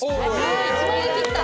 １万円切った。